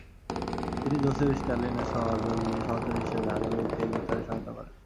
তিনি যোসেফ স্ট্যালিনের সহচর হিসেবে হাজারো ব্যক্তিকে গ্রেফতারে সহায়তা করেন।